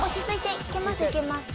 いけます。